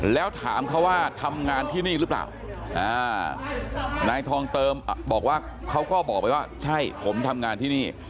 แล้วถามเขาว่าทำงานที่นี่หรือเปล่านายทองเติมบอกว่าเขาก็บอกไปว่าใช่ผมทำงานที่นี่